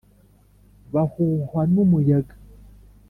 Bwahwuhwa n'umuyaga